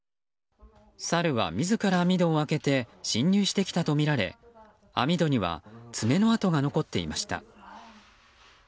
サルは自ら網戸を開けて侵入してきたとみられ網戸には爪の跡が残っていました。